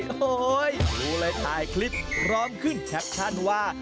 โอ้โฮดูเลยทายคลิปพร้อมขึ้นแท็กชั่นว่า